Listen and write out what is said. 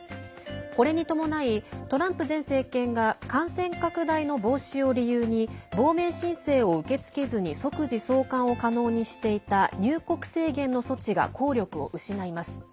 これに伴いトランプ前政権が感染拡大の防止を理由に亡命申請を受け付けずに即時送還を可能にしていた入国制限の措置が効力を失います。